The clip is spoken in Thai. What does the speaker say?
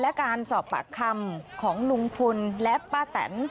และการสอบปากคำของลุงพลและป้าแตน